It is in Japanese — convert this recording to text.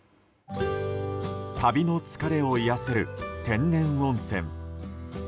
旅の疲れを癒やせる天然温泉。